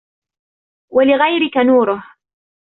وَلِغَيْرِك نُورُهُ